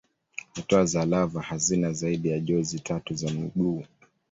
Hatua za lava hazina zaidi ya jozi tatu za miguu.